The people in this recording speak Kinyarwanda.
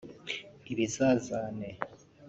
ibizazane